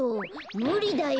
むりだよ。